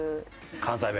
関西弁？